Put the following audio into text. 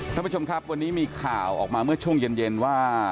ท่านผู้ชมครับวันนี้มีข่าวออกมาเมื่อช่วงเย็นว่า